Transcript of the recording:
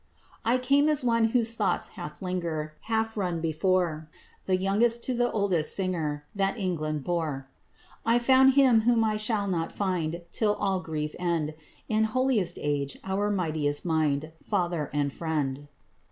"I came as one whose thoughts half linger, Half run before; The youngest to the oldest singer That England bore. I found him whom I shall not find Till all grief end; In holiest age our mightiest mind, Father and friend."